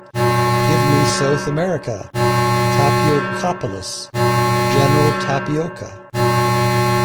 Give me South America... Tapiocapolis... General Tapioca!